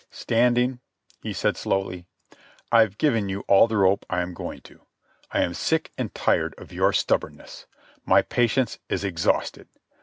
"Standing," he said slowly, "I've given you all the rope I am going to. I am sick and tired of your stubbornness. My patience is exhausted.